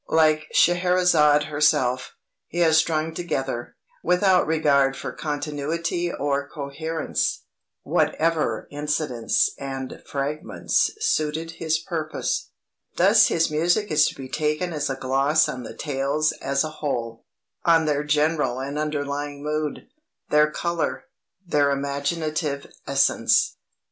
Like Scheherazade herself, he has strung together, without regard for continuity or coherence, whatever incidents and fragments suited his purpose. Thus his music is to be taken as a gloss on the tales as a whole on their general and underlying mood, their color, their imaginative essence. I.